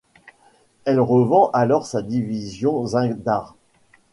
Elle revend alors sa division Zindart.